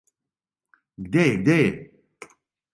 Где је, где је!